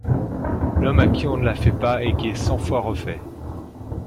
L'homme à qui on la fait pas et qui est cent fois refait.